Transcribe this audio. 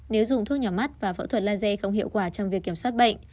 nếu dùng thuốc nhỏ mắt và phẫu thuật laser không hiệu quả trong việc kiểm soát bệnh